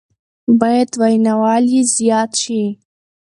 بايد ويناوال يې زياد شي